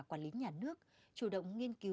quản lý nhà nước chủ động nghiên cứu